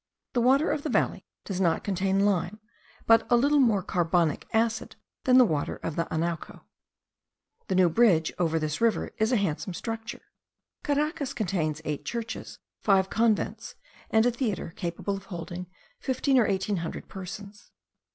The water of the valley does not contain lime, but a little more carbonic acid than the water of the Anauco. The new bridge over this river is a handsome structure. Caracas contains eight churches, five convents, and a theatre capable of holding fifteen or eighteen hundred persons.